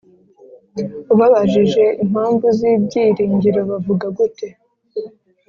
ubabajije impamvu z ibyiringiro bavuga gute